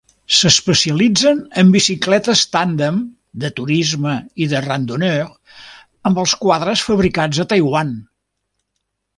S'especialitzen en bicicletes tàndem, de turisme i de randonneur, amb els quadres fabricats a Taiwan.